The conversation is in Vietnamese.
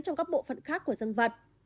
trong các bộ phận khác của dương vật